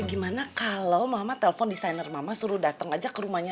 gimana kalau mama telpon designer mama suruh dateng aja ke rumahnya